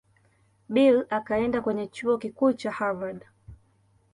Bill akaenda kwenye Chuo Kikuu cha Harvard.